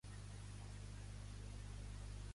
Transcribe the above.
L'avió s'enlaire, però Mort s'agafa a una ala i la trenca.